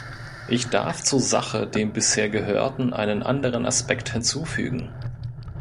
Ich darf zur Sache dem bisher Gehörten einen anderen Aspekt hinzufügen.